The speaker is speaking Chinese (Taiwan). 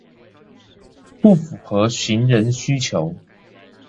不符合行人需求